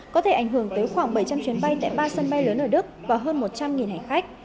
có thể ảnh hưởng tới khoảng bảy trăm linh chuyến bay tại ba sân bay lớn ở đức và hơn một trăm linh hành khách